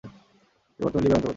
এটি বর্তমানে লিবিয়ার অন্তর্গত।